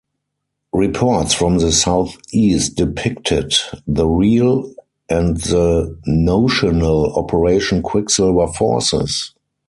Reports from the south-east depicted the real and the notional Operation Quicksilver forces.